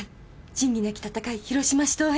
『仁義なき戦い広島死闘篇』！